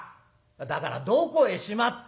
「だからどこへしまったんだ」。